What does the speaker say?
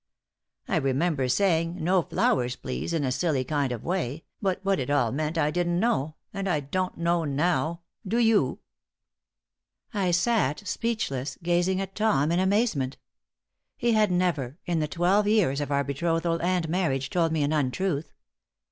I remember saying, 'No flowers, please,' in a silly kind of way, but what it all meant I didn't know, and I don't know now. Do you?" I sat speechless, gazing at Tom in amazement. He had never, in the twelve years of our betrothal and marriage, told me an untruth.